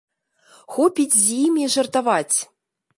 Хопіць з імі жартаваць.